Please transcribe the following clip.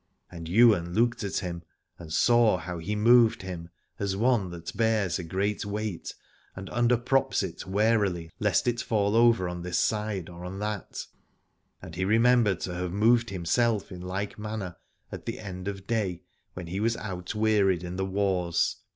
And Ywain looked at him and saw how he moved him as one that bears a great weight and under props it warily lest it fall over on this side or on that : and he remembered to have moved himself in like manner at end of day, when he was outwearied in the wars.